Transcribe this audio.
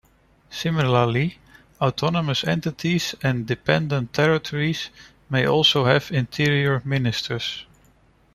Similarly, autonomous entities and dependent territories may also have interior ministers.